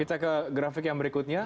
kita ke grafik yang berikutnya